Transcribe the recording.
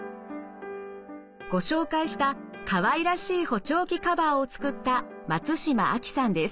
ご紹介したかわいらしい補聴器カバーを作った松島亜希さんです。